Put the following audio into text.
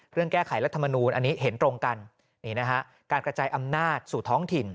แก้ไขรัฐมนูลอันนี้เห็นตรงกันนี่นะฮะการกระจายอำนาจสู่ท้องถิ่น